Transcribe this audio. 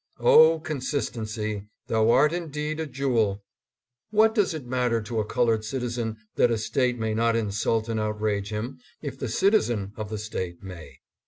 O consistency, thou. art indeed a jewel ! What does it matter to a colored citizen that a State may not insult and outrage him, if the citizen of the State may?